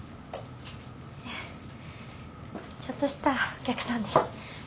ええちょっとしたお客さんです。